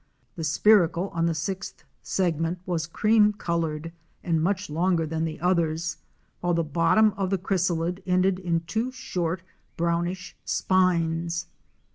The spiracle on the sixth segment was cream colored and much longer than the others, while the bottom of the chrysalid ended in two short, brownish spines.